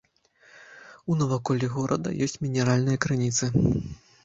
У наваколлі горада ёсць мінеральныя крыніцы.